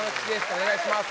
お願いします